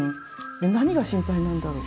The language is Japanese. で何が心配なんだろう？